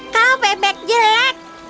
kau bebek jelek